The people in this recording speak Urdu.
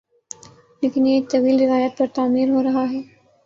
لیکن یہ ایک طویل روایت پر تعمیر ہو رہا ہے